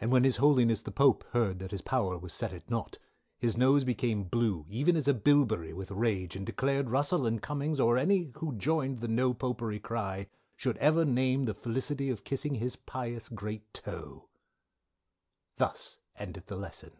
"And when his holyness the Pope heard that his power was set at naught, his nose became blue even as a bilberry with rage and declared Russell and Cummings or any who joined in the No Popery cry, should ever name the felisity of kissing his pious great toe. "_Thus Endeth the Lesson.